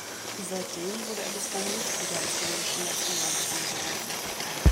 Seitdem wurde er bislang nicht wieder ins englische Nationalteam berufen.